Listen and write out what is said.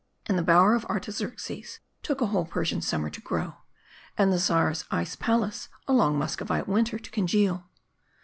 And the bower of Artaxerxes took a whole Persian sum mer to grow ; and the Czar's Ice Palace a long Muscovite winter to congeal.